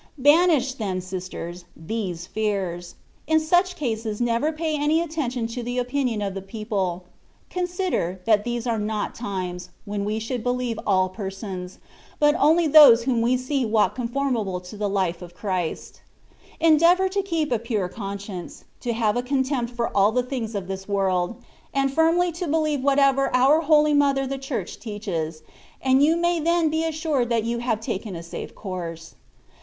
Banish, then, sisters, these fears : in such cases never pay any attention to the opinion of the people ; consider, that these are not times, when we should believe all persons, but only those whom you see walk conformable to the Life of Christ. Endeavour to keep a pure conscience, to have a contempt for all the things of this world, and firmly to believe whatever our holy Mother the Church teaches, and you may then be assui%d that you have taken a safe course.